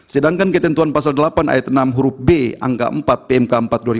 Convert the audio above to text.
sedangkan ketentuan pasal delapan ayat enam huruf b angka empat pmk empat dua ribu dua